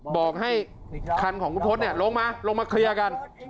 บอกให้คันของคุณพศลงมาลงมาเคลียร์กัน